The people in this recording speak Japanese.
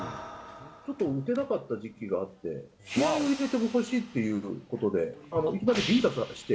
ちょっと打てなかった時期があって、気合いを入れてほしいっていうことで、え？